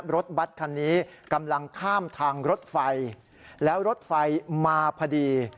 รถบัตรคันนี้กำลังข้ามทางรถไฟแล้วรถไฟมาพอดี